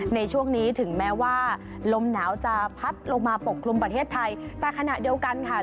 ในช่วงนี้ถึงแม้ว่าลมหนาวจะพัดลงมาปกคลุมประเทศไทยแต่ขณะเดียวกันค่ะ